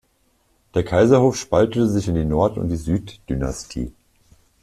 Der Kaiserhof spaltete sich in die Nord- und die Süd-Dynastie.